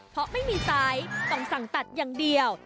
เพราะไม่มีไซส์ต้องสั่งตัดอย่างเดียว